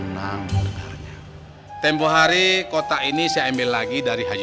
neraka jahanam lagi